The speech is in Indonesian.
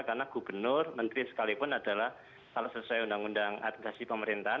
karena gubernur menteri sekalipun adalah sesuai undang undang administrasi pemerintahan